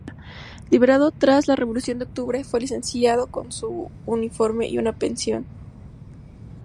Liberado tras la Revolución de Octubre, fue licenciado con su uniforme y una pensión.